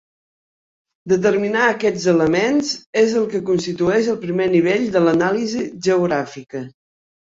Determinar aquests elements és el que constitueix el primer nivell de l'anàlisi geogràfica.